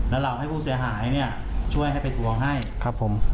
แล้วเราให้ผู้เสียหายเนี่ยช่วยให้ไปทวงให้ครับผม